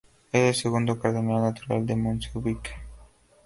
Es el segundo cardenal natural de Mozambique.